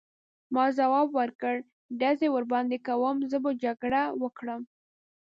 ما ځواب ورکړ: ډزې ورباندې کوم، زه به جګړه وکړم.